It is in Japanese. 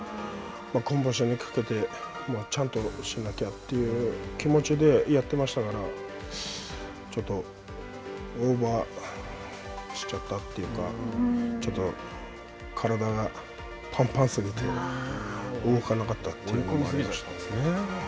今場所にかけてちゃんとしなきゃという気持ちでやってましたからちょっと、オーバーしちゃったっていうかちょっと体がぱんぱん過ぎて追い込み過ぎたんですね。